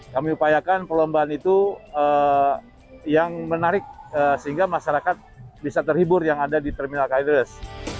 kami upayakan perlombaan itu yang menarik sehingga masyarakat bisa terhibur yang ada di terminal kalideres